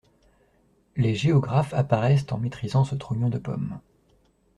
Les géographes apparaissent en maîtrisant ce trognon de pomme.